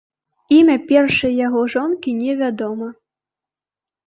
Імя першай яго жонкі невядома.